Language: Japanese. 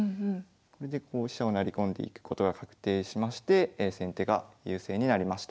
それでこう飛車を成り込んでいくことが確定しまして先手が優勢になりました。